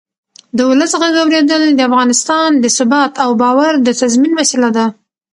د ولس غږ اورېدل د افغانستان د ثبات او باور د تضمین وسیله ده